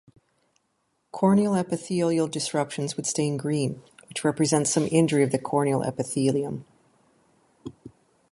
Corneal epithelial disruptions would stain green, which represents some injury of the corneal epithelium.